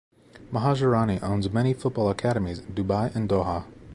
Mohajerani owns many football academies in Dubai and Doha.